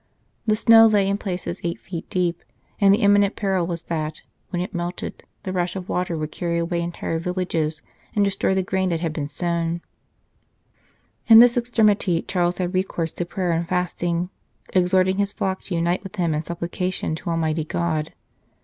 The snow lay in places eight feet deep, and the imminent peril was that, when it melted, the rush of water would carry away entire villages and destroy the grain that had been sown. 92 The Famine of Milan In this extremity Charles had recourse to prayer and fasting, exhorting his flock to unite with him in supplication to Almighty God.